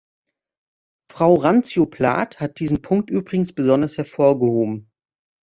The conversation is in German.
Frau Randzio-Plath hat diesen Punkt übrigens besonders hervorgehoben.